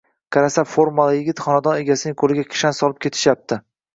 Qarasa, formali kishilar xonadon egasining qo`liga kishan solib ketishyapti